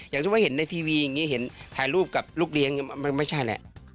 สมมุติว่าเห็นในทีวีอย่างนี้เห็นถ่ายรูปกับลูกเลี้ยงมันไม่ใช่แหละ